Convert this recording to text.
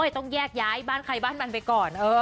ต้องแยกย้ายบ้านใครบ้านมันไปก่อน